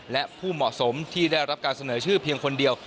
และผู้เหมาะสมที่ได้รับการเสนอชื่อเพียงคนเดียว